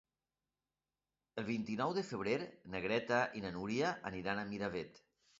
El vint-i-nou de febrer na Greta i na Núria aniran a Miravet.